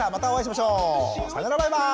さよならバイバーイ。